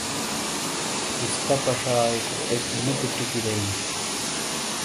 کِستہ پشائیک اک مُتی ٹِیکی بئییں ۔